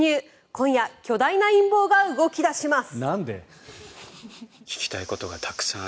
今夜巨大な陰謀が動き出します。